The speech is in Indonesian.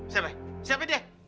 siapa siapa deh